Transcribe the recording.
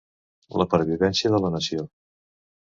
La pervivència de la nació.